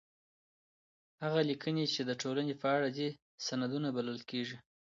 هغه ليکنې چي د ټولني په اړه دي، سندونه بلل کيږي.